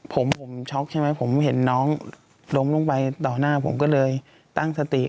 ผมผมช็อกใช่ไหมผมเห็นน้องล้มลงไปต่อหน้าผมก็เลยตั้งสติ